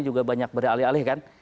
juga banyak beralih alih kan